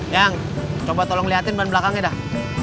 yang coba tolong liatin main belakangnya dah